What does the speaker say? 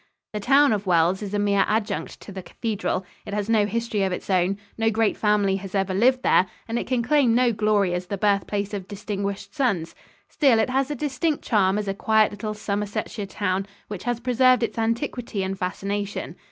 The town of Wells is a mere adjunct to the cathedral. It has no history of its own; no great family has ever lived there; and it can claim no glory as the birthplace of distinguished sons. Still it has a distinct charm as a quiet little Somersetshire town which has preserved its antiquity and fascination.